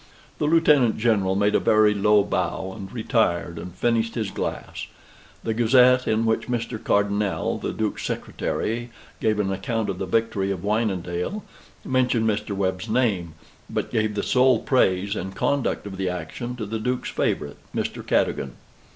The Lieutenant General made a very low bow, and retired and finished his glass. The Gazette in which Mr. Cardonnel, the Duke's secretary, gave an account of the victory of Wynendael, mentioned Mr. Webb's name, but gave the sole praise and conduct of the action to the Duke's favorite, Mr. Cadogan.